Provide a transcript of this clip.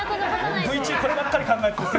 Ｖ中こればっかり考えてて。